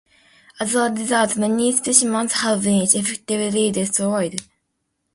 As a result, many specimens have been effectively destroyed.